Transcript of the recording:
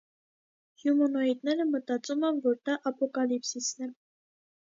Հյումոնոիդները մտածում են, որ դա ապոկալիպսիսն է։